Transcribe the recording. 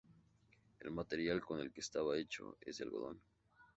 El material con el que está hecho es de algodón.